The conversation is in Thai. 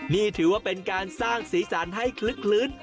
นี่ถือว่าเป็นการสร้างสีสันให้คลึก